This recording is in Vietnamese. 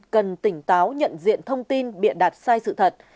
cần tỉnh táo nhận diện thông tin bịa đặt sai sự thật